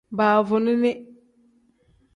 Baavunini.